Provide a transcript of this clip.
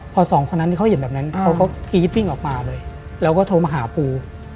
พอสองคนนั้นที่เขาเห็นแบบนั้นเขาก็กรี๊ดวิ่งออกมาเลยแล้วก็โทรมาหาปู